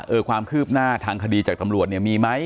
ความคืบหน้าทางคดีจากตำรวจเนี่ยมีไหม